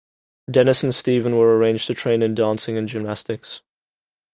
Dennis and Steven were arranged to train in dancing and gymnastics.